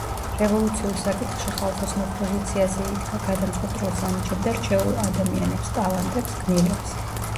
რევოლუციურ საკითხში ხალხოსნურ პოზიციაზე იდგა: გადამწყვეტ როლს ანიჭებდა რჩეულ ადამიანებს, ტალანტებს, გმირებს.